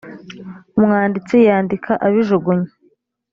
umwanditsi yandika abijugunya .